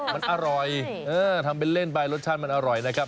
มันอร่อยทำเป็นเล่นไปรสชาติมันอร่อยนะครับ